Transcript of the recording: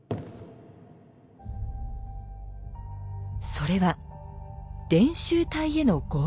それは「伝習隊」への合流。